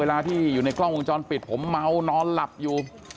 เวลาที่อยู่ในกล้องวงจรปิดผมเมานอนหลับอยู่